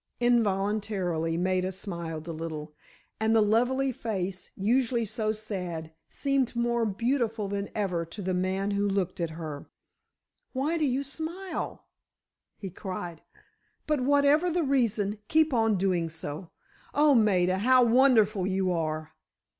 Involuntarily Maida smiled a little, and the lovely face, usually so sad, seemed more beautiful than ever to the man who looked at her. "Why do you smile?" he cried, "but whatever the reason, keep on doing so! Oh, Maida, how wonderful you are!"